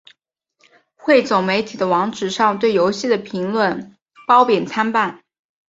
汇总媒体的网址上对游戏的评论褒贬参半。